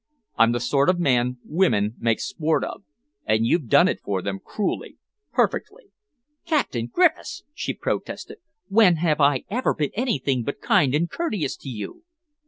I'm the sort of man women make sport of, and you've done it for them cruelly, perfectly." "Captain Griffiths!" she protested. "When have I ever been anything but kind and courteous to you?"